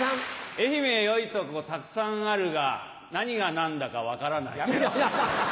愛媛よいとこたくさんあるが何が何だか分からない。